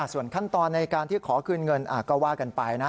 ส่วนขั้นตอนในการที่ขอคืนเงินก็ว่ากันไปนะ